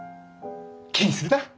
気にするな！